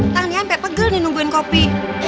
nanti sampe pegel nih nungguin kopi